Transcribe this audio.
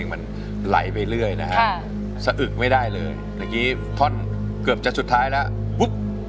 ไม่ได้เลยเดี๋ยวกี้ทอนเกือบจะสุดท้ายแล้ว